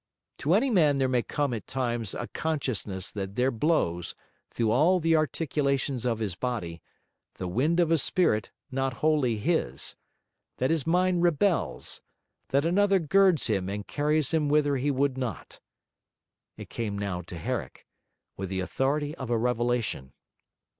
To any man there may come at times a consciousness that there blows, through all the articulations of his body, the wind of a spirit not wholly his; that his mind rebels; that another girds him and carries him whither he would not. It came now to Herrick, with the authority of a revelation.